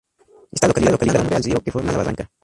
Esta localidad da nombre al río que forma la barranca.